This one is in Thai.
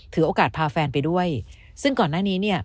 ถือโอกาสพาแฟนไปด้วยซึ่งก่อนหน้านี้เนี่ย